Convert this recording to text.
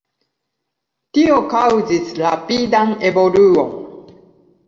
Tio kaŭzis rapidan evoluon.